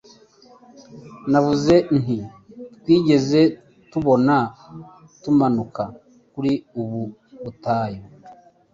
Navuze nti Twigeze tubona tumanuka kuri ubu butayu